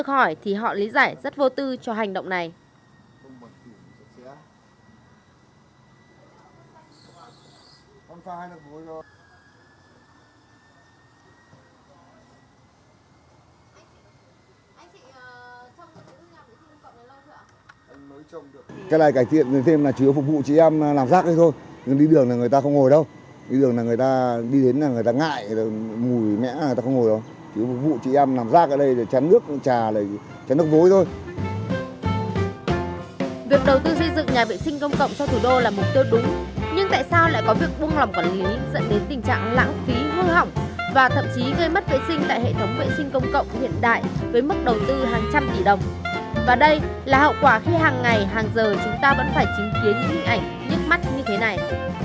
chúng ta vẫn phải chứng kiến những ảnh nhức mắt như thế này